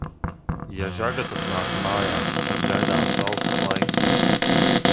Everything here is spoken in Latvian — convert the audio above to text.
Ja žagatas nāk mājā, tad gaidāms auksts laiks.